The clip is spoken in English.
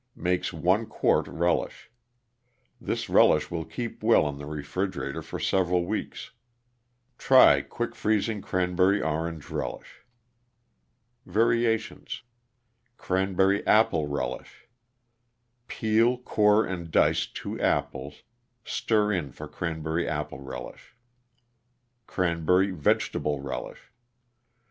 Makes one quart relish. This relish will keep well in the refrigerator for several weeks. Try quick freezing Cranberry Orange Relish. VARIATIONS =Cranberry Apple Relish.= Peel, core and dice 2 apples; stir in for Cranberry Apple Relish. =Cranberry Vegetable Relish.